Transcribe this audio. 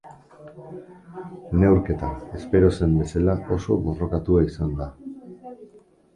Neurketa, espero zen bezala oso boorkatua izan da.